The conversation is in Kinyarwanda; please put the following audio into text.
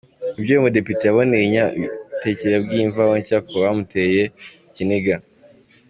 Ibyo uyu mudepite yaboneye i Nyabitekeri yabwiye Imvaho Nshya ko byamuteye ikiniga.